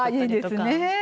ああいいですね。